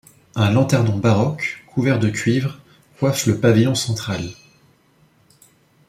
Un lanternon baroque, couvert de cuivre, coiffe le pavillon central.